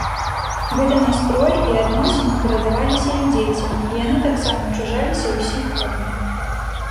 Гэты настрой і адносіны перадаваліся і дзецям, і яны таксама чужаліся ўсіх хатніх.